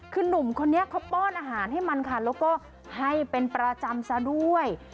คือหนุ่มคนนี้เขาป้อนอาหารให้มันค่ะแล้วก็ให้เป็นประจำซะด้วย